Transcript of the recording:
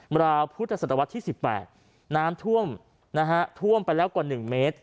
เมลาพุทธศัตรวรรษที่สิบแปดน้ำท่วมนะฮะท่วมไปแล้วกว่าหนึ่งเมตร